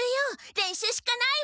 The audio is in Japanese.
練習しかないわ！